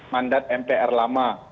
mandat mpr lama